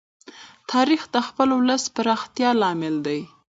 تاریخ د خپل ولس د پراختیا لامل دی.